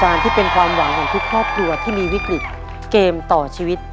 หรือขนมความภาพที่ไม่ขอดี